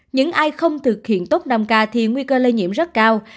những ai không thực hiện tốt năm k thì nguy cơ lây nhiễm rất cao